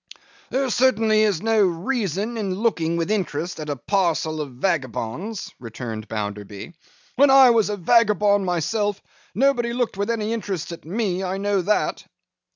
'There certainly is no reason in looking with interest at a parcel of vagabonds,' returned Bounderby. 'When I was a vagabond myself, nobody looked with any interest at me; I know that.